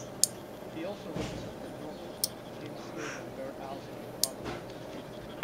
He also represented Norfolk, King's Lynn and Bere Alston in Parliament.